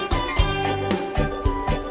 kamu juga sama